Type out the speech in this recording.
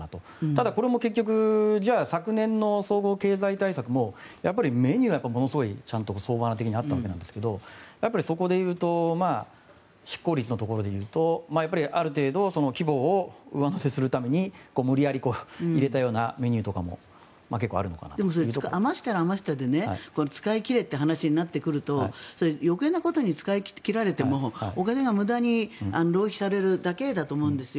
ただ、これも結局昨年の総合経済対策もやっぱりメニュー、ものすごく総花的にあったと思うんですがそこでいうと非効率のところでいうとある程度規模を上乗せするために無理やり入れたようなメニューとかも余ったら余ったで使い切れという話になってくると余計なことに使い切られてもお金が無駄に浪費されるだけだと思うんです。